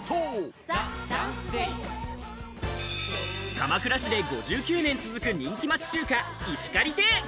鎌倉市で１９年続く人気町中華、石狩亭。